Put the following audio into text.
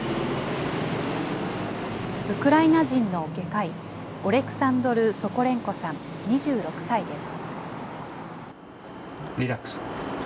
ウクライナ人の外科医、オレクサンドル・ソコレンコさん、２６歳です。